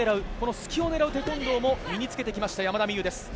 隙を狙うテコンドーも身につけてきた山田美諭です。